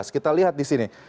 kita lihat di sini